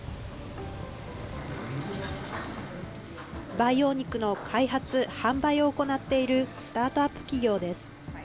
培養肉の開発・販売を行っているスタートアップ企業です。